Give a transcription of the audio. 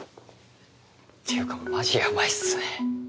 っていうかマジヤバいっすね。